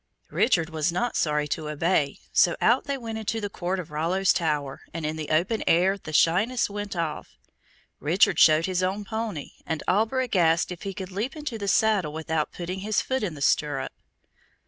Richard was not sorry to obey, so out they went into the court of Rollo's tower, and in the open air the shyness went off. Richard showed his own pony, and Alberic asked if he could leap into the saddle without putting his foot in the stirrup.